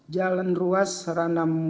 jalan ruas ranamu